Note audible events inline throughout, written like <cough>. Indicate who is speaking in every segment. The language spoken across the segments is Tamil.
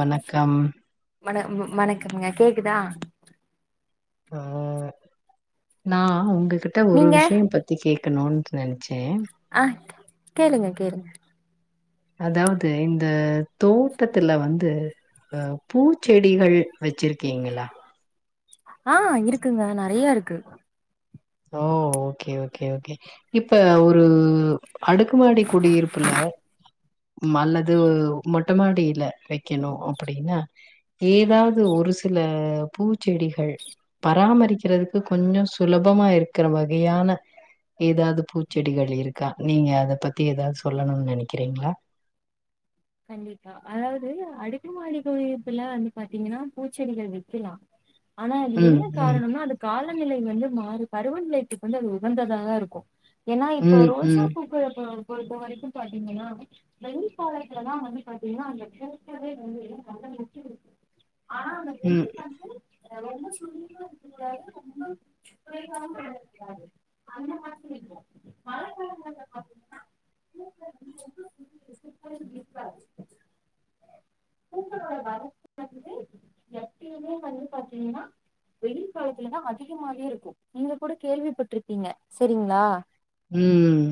Speaker 1: வணக்கம்
Speaker 2: வண வ் வணக்கம்ங்க கேக்குதா
Speaker 1: உம் நா உங்க கிட்ட ஒரு
Speaker 2: நீங்க
Speaker 1: விஷ்யம் பத்தி கே க்கனுன்ட்டு நெனச்
Speaker 2: ஆ கேளுங்க கேளுங்க
Speaker 1: அதாவது இந்த தோட்டத்துல வந்து அஹ் பூச்செடிகள் வெச்சிருக்கீங்களா
Speaker 2: ஆஹ் இருக்குங்க நெறைய இருக்கு
Speaker 1: ஓ ஓகே ஓகே ஓகே இப்ப ஒரு அடுக்குமாடி குடியிருப்புல ம் அல்லது மொட்டமாடியில வெக்கணு அப்டின்னா ஏதாவது ஒரு சில பூச்செடிகள் பராமரிக்கிறதுக்கு கொஞ்சோ சுலபமா இருக்குற வகையான ஏதாது பூச்செடிகள் இருக்கா நீங்க அத பத் தி ஏதாவது சொல்லணுனு நெனைக்கிறீங்ளா
Speaker 2: கண்டிப்பா அதாவது அடுக்கு மாடி குடியிருப்புல வந்து பாத்தீங்கனா பூச்செடிகள் வெக்கலா ஆனா அது
Speaker 1: ம்,
Speaker 2: என்ன
Speaker 1: ம்,
Speaker 2: காரனோனா அது கால் வானநிலை வந்து மாறு பருவநிலைத்துக்கு வந்து அது உகந்ததாதா இருக்கு ஏன்னா இப்போ
Speaker 1: ம்,
Speaker 2: ரோஜா
Speaker 1: ம்,
Speaker 2: பூக்களப்ப பொருத்த வரைக்கு பாத்தீங்கன்னா வெள்ளிப்பாளய இதுல எல்லா வந்து பாத்தீங்னா அந்த பூக்களே வந்து <unintelligible> ஆனா அந்த
Speaker 1: ம்,
Speaker 2: வெயில் வந்து ரொம்ப சுல்லுனோ இருக்கக்கூடாது ரொம்ப குறைவா இருக்க் கூடாது அந்த மாதிரி இருக்கனு மழைக்காலங்கள்ல பாத்தீங்கன்னா <inaudible> கூடாது பூக்களோட வளர்ப்பு பாத்திங்கன்னா எப்பயுமே வந்து பாத்தீங்கனா வெயில் காலத்துலதா அதிகமாவே இருக்கு நீங்க கூட கேள்விப்பட்டிருப்பீங்க செரிங்களா
Speaker 1: உம்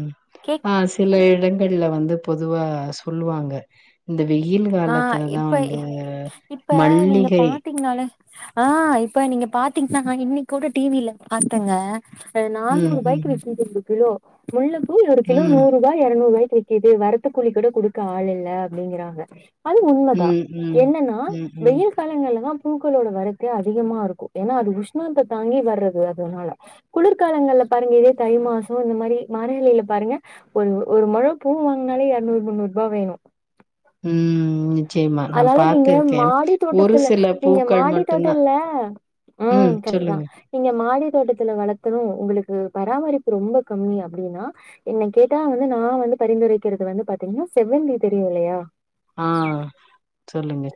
Speaker 1: ஆ சில எடங் கள்ல வந்து பொதுவா சொல்லுவாங்க இந்த வெயில்
Speaker 2: ஆ
Speaker 1: காலத்துலதா
Speaker 2: இப்ப
Speaker 1: வந்து
Speaker 2: இப்ப நீங்க
Speaker 1: மல்லிகை
Speaker 2: பாத்தீங்கனாலே ஆ இப்ப நீங்க பாத்தீங்னா இன்னை கூட டிவில பாத்தங்க நானூறு
Speaker 1: ம்,
Speaker 2: ரூபாய்கு
Speaker 1: ம்,
Speaker 2: வித்தது ந்த கிலோ முள்ளு ஒரு கிலோ
Speaker 1: ம்,
Speaker 2: நூறுபா இறநூருவா தேக்குது வரத்துக்கூலி கூட குடுக்க ஆள் இல்ல அப்டிங்கறாங்க அது உண்மைதா
Speaker 1: ம், ம்,
Speaker 2: என்னன்னா
Speaker 1: ம், ம்.
Speaker 2: வெயில் காலங்கள்லதா பூக்களோட வரத்தே அதிகமா இருக்கு ஏன்னா அது உஷ்ணத்தே தாங்கி வர்றது அதனால குளிர்காலங்கள்ல பாருங்க இதே தை மாசோ இந்த மாரி மரயிலையில பாருங்க ஒரு ஒரு மொழ பூ வாங்னாலே இரநூறு முன்னூறு ரூபா வேணு
Speaker 1: ம். நிச்சயமா. நான்
Speaker 2: அதனால நீங்க
Speaker 1: பார்த்திருக்கேன்.
Speaker 2: மாடி
Speaker 1: ஒரு
Speaker 2: தோட்டத்துல
Speaker 1: சில
Speaker 2: நீங்க
Speaker 1: பூக்கள்
Speaker 2: மாடி
Speaker 1: மட்டும் தான்
Speaker 2: தோட்டத்துல
Speaker 1: ம்.
Speaker 2: உம் கரெக்ட் தா
Speaker 1: சொல்லுங்க.
Speaker 2: இங்க மாடி தோட்டத்துல வளர்த்துணு உங்களுக்கு பராமரிப்பு ரொம்ப கம்மி அப்டின்னா என்னை கேட்டா வந்து நா வந்து பரிந்துரைக்கிறது வந்து பாத்தீங்கனா செவ்வந்தி தெரியு இல்லயா
Speaker 1: ஆஹ்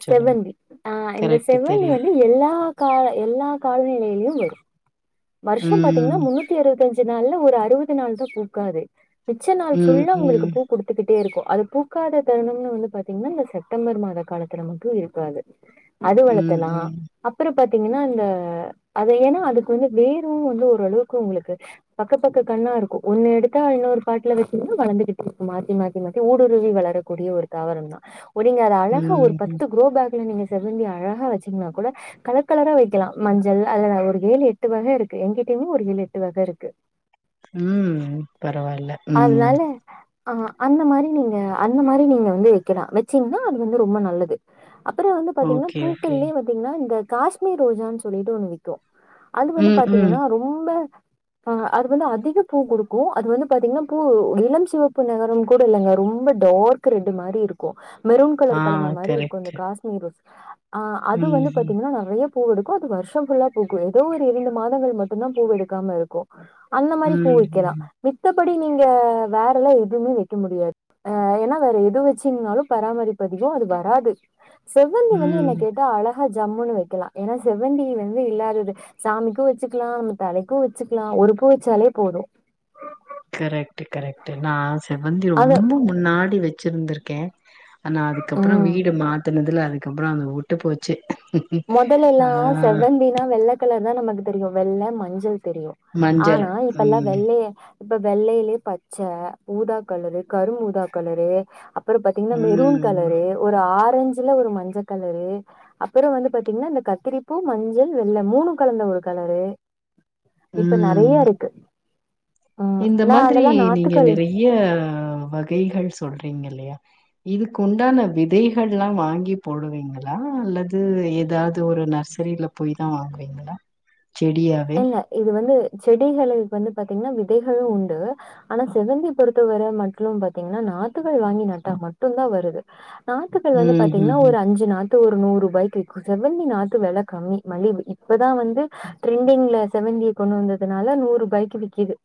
Speaker 2: செவ்வந்தி ஆஹ் இந்த செவ்வந்தி
Speaker 1: தெரியும்.
Speaker 2: வந்து எல்லா கா எல்லா காலநிலையிலயும் வரும் வருஷம் பாத்தீங்கன்னா
Speaker 1: ம்,
Speaker 2: முன்னூத்தி இருறுபத்தஞ்சு ஞ நாள ஒரு அறுபது நாள் தான் பூக்காது மிச்ச நாள்
Speaker 1: ம்,
Speaker 2: ஃபுல்லா உங்களுக்கு
Speaker 1: ம்,
Speaker 2: பூ குடுத்துக்கிட் இருக்கு அது பூக்காத தருணம்னு வந்து பாத்தீங்கன்னா இந்த செப்டம்பர் மாதம் காலத்தில்ல மட்டு இருக்காது அது
Speaker 1: ம்,
Speaker 2: வளர்த்தலாம்
Speaker 1: ம்,
Speaker 2: அப்புறம் பாத்தீங்கன்னா அ அது ஏன்னா அதுக்கு வந்து வேரு வந்து ஓரளவுக்கு உங்களுக்கு பக்க பக்க கண்ணா இருக்கும் ஒன்னு எடுத்தா இன்னொரு பாட்டுல வச்சிருன்னா வளர்ந்துகிட்டு இருக்கும் மாத்தி மாத்தி மாத்தி ஊடுருவி வளரக்கூடிய ஒரு தாவரம் தான் நீங்க ஒரு
Speaker 1: ம், ம்.
Speaker 2: பத்து க்ரோ பேக்ல நீங்க செவந்தி அழகா வச்சீங்கன்னா கூட கலர் கலரா வைக்கலாம் மஞ்சள் அதுல ஒரு ஏழு எட்டு வகை இருக்கு எங்கிட்டயுமே ஒரு ஏழு எட்டு வகை இருக்கு
Speaker 1: உம் பரவாயில்ல உம்
Speaker 2: ஆஹ அந்த மாதிரி நீங்க அந்த மாதிரி நீங்க வந்து வைக்கலாம் வச்சீங்கன்னா அது வந்து ரொம்ப நல்லது அப்புறம் வந்து பாத்தீங்கன்னா
Speaker 1: ஓகே, ஓகே.
Speaker 2: பூக்கள்லேயே பாத்தீங்கன்னா இந்த காஷ்மீர் ரோஜான்னு சொல்லிட்டு ஒன்னு விக்கும் அது வந்து
Speaker 1: ம், ம்.
Speaker 2: பாத்தீங்கன்னா ரொம்ப ஆஹ் அது வந்து அதிக பூ குடுக்கும் அது வந்து பாத்தீங்கன்னா பூ இளம் சிவப்பு நகரம் கூட இல்லைங்க ரொம்ப டார்க் ரெட்டு் மாதிரி இருக்கு மெருன்
Speaker 1: ஆ
Speaker 2: கலந்த மாதிரி இருக்கு இந்த
Speaker 1: கரெக்ட்டு.
Speaker 2: காஷ்மீர் ரோஸ் ஆஹ் அது வந்து
Speaker 1: ம்,
Speaker 2: பாத்தீங்கன்னா நிறைய பூ எடுக்கும் அது வருஷம் ஃபுல்லா பூக்கும் ஏதோ ஒரு இரண்டு மாதங்கள் மட்டும்்தான் பூவ எடுக்காம இருக்கு அந்த மாதிரி
Speaker 1: ம்,
Speaker 2: பூவக்கலாம்
Speaker 1: ம்,
Speaker 2: மத்த படி நீங்க வேறலா எதுவுமே வைக்க முடியாது ஏன்னா வேற எது வச்சிங்னாலும் பராமரி அதிகம் அது வராது செவ்வந்தி வந்து என்ன
Speaker 1: ம்.
Speaker 2: கேட்டா அழக ஜம்முன்னு வைக்கலா ஏன்னா செவ்வந்தி வந்து இல்லாதது சாமிக்கும் வச்சுக்கலா நம்ம தலைக்கு வெச்சுக்கலா ஒருப்ப வெச்சாலே போது
Speaker 1: கரெக்ட் கரெக்ட் நா செவ்வந்தி
Speaker 2: அது
Speaker 1: ரொம்ப முன்னாடி வெச் வெச்சிருந்திருக்கே ஆனா அதுக்கப்புறோ
Speaker 2: ம்
Speaker 1: வீடு மாத்துனதுல அதுக்கப்புறோ அந்த உட்டு போச்சு ஆ
Speaker 2: மொதல்லல்லா செ்வந்தினா வெல் தா நமக்கு தெரியு வெள்ள மஞ்சள் தெரியு
Speaker 1: மஞ்சள்.
Speaker 2: ஆனா இப்ப எல்லா
Speaker 1: ம்,
Speaker 2: வெள்ளைய இப்ப வெள்ளையிலே பச்சா ஊதா கலரு கரும் ஊதா கலரு அ ப்புற பாத்தீங்ன்னா மெரூன்
Speaker 1: ம்,
Speaker 2: கலரு ஒரு ஆர் ரேஞ்சுல ஒரு மஞ்சக் கலரூ அப்புறோ வந்துட் பாத்திங்னா இந்த கத்திரிப்பூ மஞ்சள் வெள்ள மூணும் கலந்த ஒரு கலரூ இப்ப
Speaker 1: ம்.
Speaker 2: நறைய இருக்கு ம்
Speaker 1: இந்த
Speaker 2: நா
Speaker 1: மாதிரி
Speaker 2: அதெல்லா
Speaker 1: நீங்க
Speaker 2: நாட்டுக்கல்
Speaker 1: நிறைய வகைகள் சொல்ற றீங்கில்லையா இதுக்குண்டான விதைகள்லா வாங்கி போடுவீங்களா அல்லது ஏதாவது ஒரு நர்சரில போயி தா வாங்குவீங்ளா
Speaker 2: அல்ல இது வந்து செடிகள் கு வந்து பாத்தீங்னா விதைகள் உண்டு ஆனா செவ்வந்தி பொறுத்த வர மட்றும் பாத்தீங்னா நாத்துகள் வாங்கி நட்டா மட்டும் தா வருது நாத்துகள் வந்து பாத்தீங்னா ஒரு அஞ்சு நாத் பேரு நூர்ரூபாயிக்கு விக்கு செவ்வந்தி நாத்து வெல கம்மி மல்லி இப் இப்பதா வந்து ட்ரெண்டிங்ல செவ்வந்திய கொண்டு வந்ததுனால நூர் ருபைக்கு விக்கிது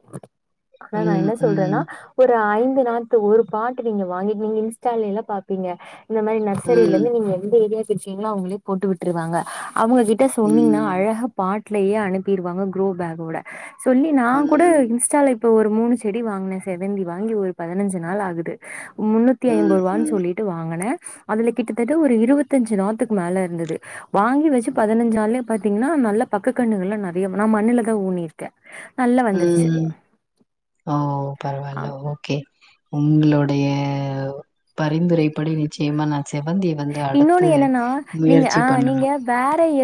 Speaker 2: ஆனா நா என்ன சொல்றனா ஒரு ஐந் ந்து நாத்து ஒரு பாட்டு நீங்க வாங்கி நீங்க இன்ஸ்டாலேலா பாப்பீங்க இந்த மாரி நர்சரிலந்து நீங்க எந்த ஏரியா பிர்ச்சிங்ளோ அவுங்ளே போட்டு விட்ருவாங்க அவுங்க கிட்ட
Speaker 1: ம்,
Speaker 2: சொன்னீங்னா அழக பாட் ட்லியே அனுப்பிருவாங்க க்ரு பேக்கோட சொல்லி நா கூட
Speaker 1: ம்,
Speaker 2: இன்ஸ்டாலக் ப்பொ ஒரு மூணு செடி வாங்னே செவ்வந்தி வாங்கி ஒரு பதினஞ்சு நாள் ஆகுது முன்னூத்தி
Speaker 1: ம்,
Speaker 2: ஐம்பது ரூவான்
Speaker 1: ம்,
Speaker 2: சொல்லிட்டு வாங்குன அதுல கிட்டத்தட்ட ஒரு இருவத்தஞ்சு நாத்துக் மேல இருந்தது வாங்கி வச்சு பதினஞ்சு நாள்லே பாத்தீங்னா நல்ல பக்க கன்னுகள்ல நெறைய நா மண்ணுல தா ஊனியிருக்கே
Speaker 1: ம், ஓ
Speaker 2: ஆ
Speaker 1: பரவால்ல ஓகே உங்ளோடையா பரிந்துரை படி நிச்சியமா நா செவ்வந்தி வந்து
Speaker 2: இன்னொன்னு
Speaker 1: அடுத்து
Speaker 2: என்னன்னா
Speaker 1: முயற்சி பண்ணுணு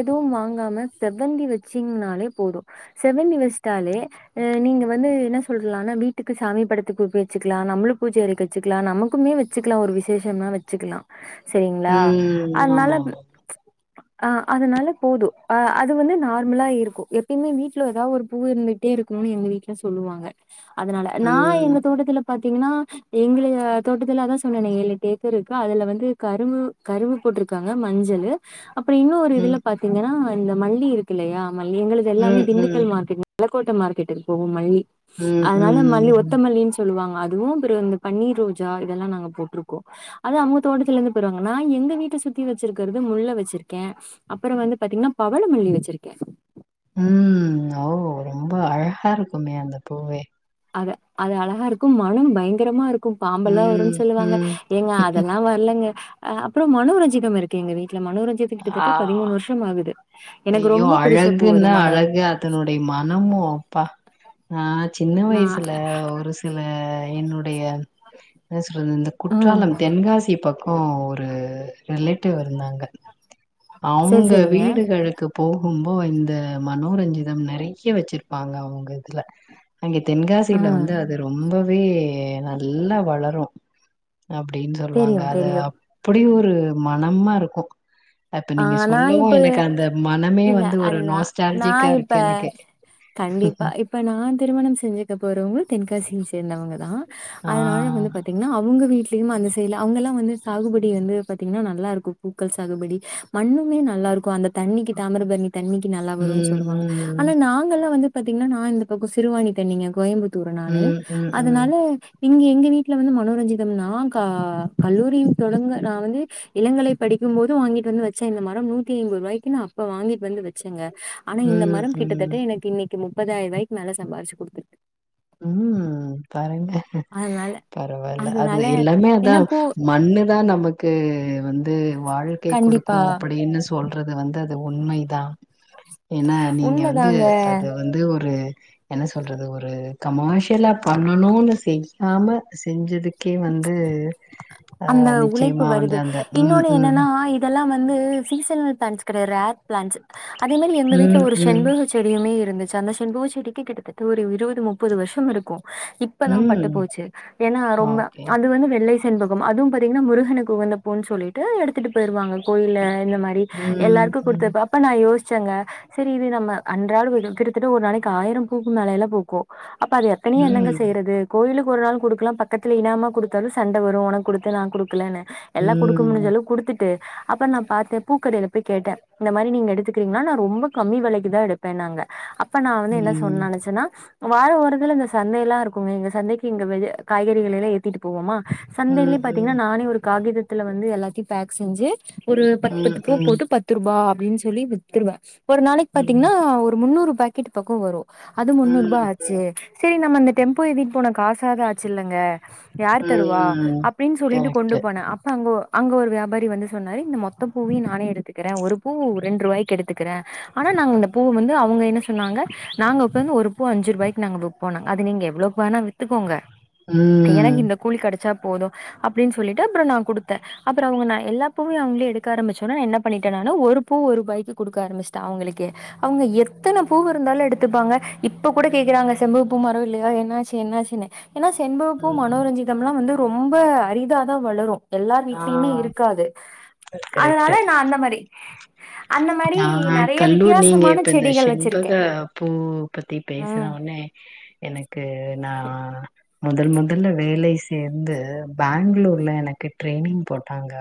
Speaker 2: துவும் வாங்காம செவ்வந்தி வச்சீங்னாலே போது செவ்வந்தி வெச்சிட்டாலே அ நீங்க வந்து என்ன சொல்லலான்னா வீட்டுக்கு சாமி படத்துக்கு வெச்சிக்லா நம்ளு பூஜ அறைக்கு வச்சுக்லா நமக்குமே வச்சுக்லா ஒரு விசேஷன்னா வ ச்சுக்குலா செரிங்ளா
Speaker 1: ம்.
Speaker 2: அதனால
Speaker 1: ஆமாமா.
Speaker 2: அ அதனால போது அ அது வந்து நார்மலா இருக்கு எப்பியுமே வீட்ல எதா ஒரு பூ இருந்துட்டே இருக்கணுன் எங்க வீட்ல சொல்லுவாங்க அதனால நா எங்க
Speaker 1: ம்,
Speaker 2: தோட்டத்துல பாத்திங்கனா எங்ளய தோட்டத்துல அதா சொன்னனே ஏழெட்டு ஏ க்குருக்கு அதுல வந்து கருவு கருவு போட்ருக்காங்க மஞ்சளு அப்புற இன்னொரு
Speaker 1: ம்,
Speaker 2: இதுல பாத்திங்கனா இந்த மல்லி இருக்குல்லையா மல்லி எங்குளுது எல்லாமே
Speaker 1: ம், ம்,
Speaker 2: திண்டுக்கல் மார்க்கெட் மலக்கோட்ட மார்க்கெட்டுக்கு போகு மல்லி
Speaker 1: ம்,
Speaker 2: அதனால மல்லி
Speaker 1: ம்,
Speaker 2: ஒத்த மல்லின் சொல்லுவாங்க அதுவு அப்ற இந்த பன்னீர் ரோஜா இதெல்லா நாங்க போட்ருக்கோ அது அவங்க தோட்டத்துல இருந்து போருவாங்க நா எங்க வீட்ட சுத்தி வெச்சிருக்கிறது முல்ல வெச்சிருக்கே அப்பற வந்து பாத்திங்னா பவள மல்லி வெச்சிருக்கே
Speaker 1: ம் ஓ ரொம்ப அழகா இருக்குமே அந்த பூவே
Speaker 2: அ அது அழகா இருக்கும் மணம் பயங்கரமா இருக் கும் பாம்பெல்லா
Speaker 1: ம்,
Speaker 2: வருன் சொல்லுவாங்க
Speaker 1: ம்.
Speaker 2: ஏங்க அதெல்லா வர்லங்க ஆ அப்றோ மனோரஞ்சிதம் இருக்கு எங்க வீ டால மனோரஞ்சித
Speaker 1: ஆ.
Speaker 2: கிட்டதட்ட பதிமூணு வருஷம் ஆகுது எனக்கு
Speaker 1: ஐயோ
Speaker 2: ரொம்ப பிடிச்ச பூ அது
Speaker 1: அழகுன்னா
Speaker 2: மனோர்
Speaker 1: அழகு அதனுடைய மனமு அப்பா நா சின்ன
Speaker 2: நா
Speaker 1: வயசுல ஒரு சில என்னுடைய எஸ் ருந்த
Speaker 2: ம்
Speaker 1: குற்றாலம் தென்காசிப் பக் கொ ஒரு ரிலேட்டிவ் இருந்தாங்க
Speaker 2: சரி
Speaker 1: அவ்ங்க
Speaker 2: சரிங்க
Speaker 1: வீடுகடுகளு போகும்போ இந்த மனோரஞ்சிதம் நறைய வச்சிருப்பாங்க அவ்ங்க இதுல அங்கே தென்காசில
Speaker 2: ம்
Speaker 1: வந்து அது ரொம்ப மே நல்லா வளரு அப்டின் சொல்வாங்க
Speaker 2: தெரியும்
Speaker 1: அத
Speaker 2: தெரியும்
Speaker 1: அப்டி ஒ ரு மனம்மா இருக்கு அப்ப
Speaker 2: ஆ
Speaker 1: நீங்க
Speaker 2: நான்
Speaker 1: சொல்லவு
Speaker 2: இப்ப
Speaker 1: எனக்கு அந்த மனமே
Speaker 2: இல்ல
Speaker 1: வந்து ஒரு
Speaker 2: அதுதான்
Speaker 1: நாஸ்டாலஜிக்கா
Speaker 2: நான் இப்ப
Speaker 1: இருக்கு எனக்கு
Speaker 2: கண்டிப்பா இப்ப நான் திருமணம் செஞ்சுக்க போறவங்க தெ <unintelligible> சேந்தவர்கள் அ
Speaker 1: ஆ
Speaker 2: அதனால வந்து பாத்தீங்கன்னா அவங்க வீட்டு அந்த சைடல அவங்கல்லா வந்து சாகுபடி வந்து பாத்தீங்கன்னா நல்லா இருக்கும் பூக்கள் சாகுபடி மண்ணுமே நல்லா இருக்கும் அந்த தண்ணிக்கு தாமிரபண்ணி தண்ணிக்கு நல்லா வரும்னு
Speaker 1: ம்
Speaker 2: சொல்லுவாங்க
Speaker 1: ம்
Speaker 2: ஆனா நாங்கல்லா வந்து பாத்தீங்கன்னா நான் இந்த பக்க சிறுவனி தண்ணிங்க கோயம்புத்தி தூறனானு
Speaker 1: ம் ம் ம்
Speaker 2: அதனால இங்க எங்க வீட்டுல வந்து மனோரஞ்சிதம்னா நா கல்லூரிய தொடங்க நான் வந்து இளங்கலை படிக்கும் போதும் வாங்கிட்டு வந்து வச்சேன் இந்த மரம் நூத்தி ஐம்ப ரூபாய்க்கு ந அப்ப வாங்கிட்டு வந்து வச்சேங்க ஆனா இந்த
Speaker 1: ம்,
Speaker 2: மரம் கிட்டத்தட்ட
Speaker 1: ம்.
Speaker 2: எனக்கு இன்னைக்கு முப்பதாயிரம் வாய்குல சம்பாதிச்சு கொடுத்துருட்டு
Speaker 1: உம் கரங்
Speaker 2: அதனால
Speaker 1: பரவாயில்ல அது
Speaker 2: அதனால
Speaker 1: எல்லாமே அதா
Speaker 2: என்ன போ
Speaker 1: மண்ணுதா நமக்கு <unintelligible> வந்து வாழ்க்கை
Speaker 2: கண்டிப்பா
Speaker 1: கொடுக்கும் அப்படின்னு சொல்றது வந்து அது உண்மைதா ஏன்னா நீங்க வந்து
Speaker 2: உண்மதாங்க
Speaker 1: அது வந்து ஒரு என்ன சொல்றது ஒரு கமர்ஷியலாக பண்ணணும்னு செய்யாமல் செஞ்சதுக்கே வந்து அ
Speaker 2: அந்த உழைப்பு
Speaker 1: நிச்சயமா வந்து
Speaker 2: வருது
Speaker 1: அந்த ம்,
Speaker 2: இன்னொன்னு
Speaker 1: ம்.
Speaker 2: என்னன்னா இதெல்லாம் வந்து சிசன் <unintelligible> பிளான்ஸ் அதே மாதிரி எங்க வீட்டுல
Speaker 1: ம்,
Speaker 2: ஒரு
Speaker 1: ம்.
Speaker 2: செண்பக செடியுமே இருந்துச்சு அந்த செண்பக செடிக்கு கிட்டத்தட்ட ஒரு இருபது முப்பது வருஷம் இருக்கும் இப்பதா பட்டு
Speaker 1: ம்.
Speaker 2: போச்சு ஏன்னா ரொம்ப
Speaker 1: ஓகே.
Speaker 2: அது வந்து வெள்ளை <unintelligible> அதுவும் பாத்தீங்கன்னா முருகனு உகந்த பன்னு சொல்லிட்டு எடுத்துட்டு போயிருவாங்க கோயில்ல இந்த மாரி
Speaker 1: ம்,
Speaker 2: எல்லாருக்கும்
Speaker 1: ம்.
Speaker 2: கொடுத்தப்ப அப்ப நான் யோசிச் பச்சங்க சரி இது நம்ம அன்றாள் கிட்டத்தட்ட ஒரு நாளைக்கு ஆயிரம் பூக்கும் மேலைய எல்லாம் பூக்கும் அப்ப அது எத்தனைய என்னங்க
Speaker 1: ம்.
Speaker 2: செய்யறது கோயிலுக்கு ஒரு நாள் கொடுக்கலாம் பக்கத்தில் இனாம கொடுத்தாலும் சண்டை வரும் உனக்கு கொடுத்து நான் குடுக்கலன்னு எல்லாம் கொடுக்கு
Speaker 1: ம்.
Speaker 2: முடுஞ்சளவுக்கு கொடுத்துட்டு அப்புறம் நான் பா்த்தேன் பூக்கறில போய் கேட்டேன் இந்த மாரி நீங்க எடுத்துக்கீங்கன்னா நான் ரொம்ப கம்மி விலைக்குதா எடுப்பேன் நாங்க ப்ப நா வந்து என்ன சொன்
Speaker 1: ம்.
Speaker 2: நெனைச்சனா வார ஒரு இதுல இந்த சந்தை எல்லா இருக்குமே இங்க சந்தைக்கி இங்க வெளிய காய்கறிகள எல்லா ஏத்திட்டு போவோமா
Speaker 1: ம்,
Speaker 2: சந்தைலியு
Speaker 1: ம்.
Speaker 2: பாத்தீங்கனா நானே ஒரு காகிதத் த்துல வந்து எல்லாத்தையு பேக் செஞ்சு ஒரு பத்
Speaker 1: ம்,
Speaker 2: பத்து பூ
Speaker 1: ம்.
Speaker 2: போட்டு பத்து ரூபா ப்டின் சொல்லி வித்துருவ ஒரு நாளைக்
Speaker 1: ம்.
Speaker 2: பாத்தீங்ன்னா ஒரு முன்னூறு பேக்கெட்டு பக்கோ வரு அது முன்னூ ருபா
Speaker 1: ம்,
Speaker 2: ஆச்சு
Speaker 1: ம்,
Speaker 2: சேரி நம்ம இந்தட் டெம்போ ஏத்திட்டு போன காசாது ஆச்சு இல்லங்க யார் தருவா
Speaker 1: ம்.
Speaker 2: அப் சொல்லிட்டு கொண்டு
Speaker 1: கரெக்ட்டு.
Speaker 2: போன அப்ப அங்க ஒ அங்க ஒரு வியாபாரி வந்து சொன்னாரு இந்த மொத்த பூவயு நானே எடுத்துக்கிறே ஒரு பூ ரெண்டு ரூவாய்க்கு எடுத்துக்கிறே ஆனா நாங்க இந்த பூவ வந்து அவுங்க என்ன சொன்னாங்க நாங்க உக்காந்து ஒரு பூ அஞ்சு ரூபாய்க் நாங்க விப்போனாங்க அது நீங்க எவ்ளோக் வேணா வித்துக்கோங்க எனக்
Speaker 1: ம்.
Speaker 2: இந்த கூலி கெடைச்சா போது அப்டின் சொல்லிட்டு அப்புறோ நா குடுத்தே அப்புறோ அவுங்க நா எல்லா பூவயு அவுங்ளே எடுக்க ஆரம்பிச்சொன்னே நா என்ன பண்ணிட்டே நானு ஒரு பூ ஒருபாய்க்கு குடுக்க ஆரம்சிட்டே அவுங்களுக்கே அவுங்க எத்தன பூவு இருந்தாலு எடுத்துப்பாங்க இப்ப கூட கேக்குறாங்க செம்பக பூ மரோ இல்லையா என்னாச்சு என்னாச்சுனு ஏன்னா செண்பகப்பூ
Speaker 1: ம்.
Speaker 2: மனோரஞ்சிம்லா வந்து ரொம்ப அரிதாதா வளரு எல்லார்
Speaker 1: ஆ
Speaker 2: வீட்லயுமே இருக்காது
Speaker 1: கரெக்ட்டு
Speaker 2: அதனால நா அந்த மாரி அந்த மாரி
Speaker 1: ஆ
Speaker 2: நெறைய
Speaker 1: கல்லூர் நீங்க
Speaker 2: வித்தியாசமான
Speaker 1: இப்ப இந்த
Speaker 2: செடிகள்
Speaker 1: ஷெண்பக
Speaker 2: வச்சிருக்கே
Speaker 1: பூ பத்தி பேசன
Speaker 2: ம்
Speaker 1: ஒனே எனக்கு நா முதல் முதல்ல வேலை சேர்ந்து பேங்ளூர்ல எனக்கு ட்ரெனிங் போட்டாங்க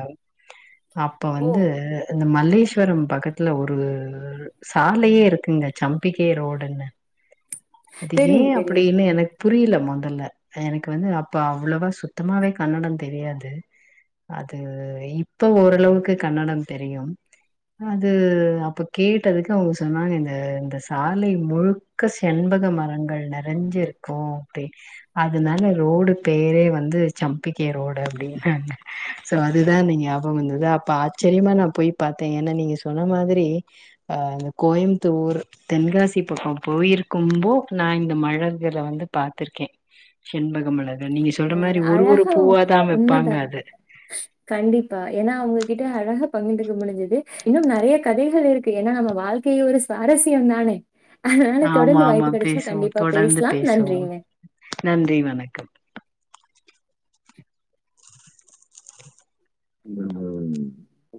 Speaker 1: அப்போ வந்து இந்த மல்லேஸ்வரம் பக்கத்ல ஒரு சாலையே இருக்குங்க சம்பிகை ரோடுன்னு அது ஏ
Speaker 2: தெரியும் தெரியும்
Speaker 1: அப்பிடின்னு என புரியில மொதல்ல எனக்கு வந்து அப்போ அவ்ளவா சுத்தமாவே கன்னடந் தெரியாது அது இப்ப ஓரளவுக்கு கன்னடந் தெரியும் அது அப்ப கேட்டதுக்கு அவுங்க சொன்னாங்க இந்த இந்த சாலை முழுக்க ஷெண்பக மரங்கள் நெறைஞ்சிருக்கூ அப்டி அதனால ரோடு பேரே வந்து சம்பிகை ரோடு அப்டி அ சோ அதுதா நீங்க ஞாபக வந்தது அப்ப ஆச்சரியமா நா போயி பாத்தே ஏனா நீங்க சொன்ன மாதிரி ஆ ந்த கோயமுத்து ஊர் தென்காசி பக்கோ போயிருக்கும்போ நா இந்த மலர்கள வந்து பாத்திருக்கே ஷெண்பகமல நீங்க சொல்ற மாரி
Speaker 2: அதாது
Speaker 1: ஒரு ஒரு
Speaker 2: அழகா
Speaker 1: பூவாதா வெப்பாங்க
Speaker 2: உண்மதா
Speaker 1: அது
Speaker 2: கண்டிப்பா ஏனா அவுங்க கி க்க அழகா பகிந்துக்க முடிஞ்சிது இன்னும் நெறைய கதைகள் இருக்கு ஏனா நம்ம வாழ்க்கை ஒரு சுவாரஸ்யம் தானே அதனால
Speaker 1: ஆமா
Speaker 2: தொடர்ந்து
Speaker 1: ஆமா
Speaker 2: வாய்ப்பு கிடைச்சா
Speaker 1: பேசுவோ
Speaker 2: கண்டிப்பா
Speaker 1: தொடர்ந்து
Speaker 2: பேசலாம்.
Speaker 1: பேசுவோ
Speaker 2: நன்றிங்க.
Speaker 1: நன்றி வணக்கம்
Speaker 2: <unintelligible>